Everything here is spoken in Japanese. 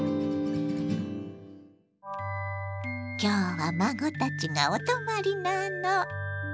今日は孫たちがお泊まりなの。